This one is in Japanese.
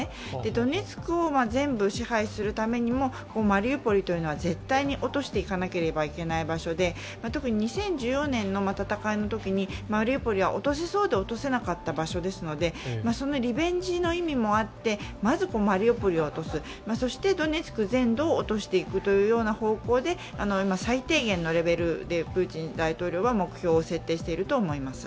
ドネツクを全部支配するためにもマリウポリは絶対、落とさなければいけない、２０１４年の戦いのときにマリウポリは落とせそうで落とせなかった場所ですのでそのリベンジの意味もあってまずマリウポリを落とす、そしてドネツク全土を落としていくという今、最低限のレベルでプーチン大統領は目標を設定していると思います。